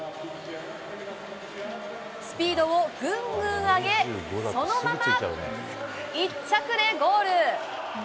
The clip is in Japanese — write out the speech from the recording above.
スピードをぐんぐん上げ、そのまま１着でゴール。